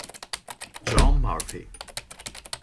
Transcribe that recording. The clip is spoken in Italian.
John Murphy